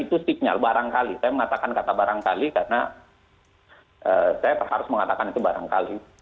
itu signal barangkali saya mengatakan kata barangkali karena saya harus mengatakan itu barangkali